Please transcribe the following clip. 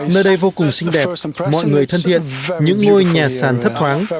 nơi đây vô cùng xinh đẹp mọi người thân thiện những ngôi nhà sàn thấp thoáng